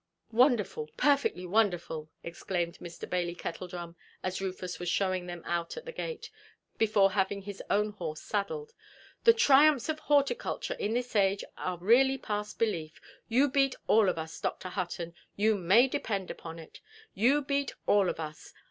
"Wonderful, perfectly wonderful"! exclaimed Mr. Bailey Kettledrum, as Rufus was showing them out at the gate, before having his own horse saddled. "The triumphs of horticulture in this age are really past belief. You beat all of us, Dr. Hutton, you may depend upon it; you beat all of us.